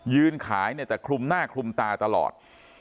ยืนขายเนี่ยแต่คลุมหน้าคลุมตาตลอด